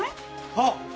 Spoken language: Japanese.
あっ。